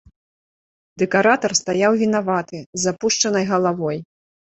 Дэкаратар стаяў вінаваты, з апушчанай галавой.